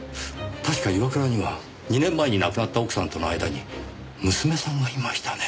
確か岩倉には２年前に亡くなった奥さんとの間に娘さんがいましたね。